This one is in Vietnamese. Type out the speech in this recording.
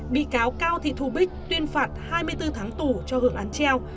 bị cáo cao thị thu bích tuyên phạt hai mươi bốn tháng tù cho hưởng án treo